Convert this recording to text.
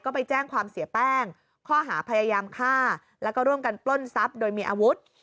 ก็ไปแจ้งความเสียแป้งข้อหาพยายามฆ่าแล้วก็ร่วมกันปล้นทรัพย์โดยมีอาวุธ